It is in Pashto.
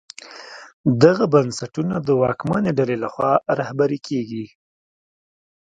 دغه بنسټونه د واکمنې ډلې لخوا رهبري کېږي.